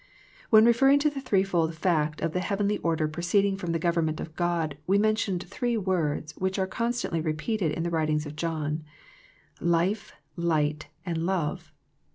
When referring to the threefold fact of the heavenly order proceeding from the government of God we mentioned three words which are constantly repeated in the writings of John, " Life," " Light," and " Love."